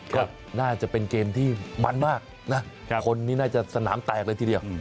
ก็น่าจะเป็นเกมที่มันมากนะคนนี้น่าจะสนามแตกเลยทีเดียว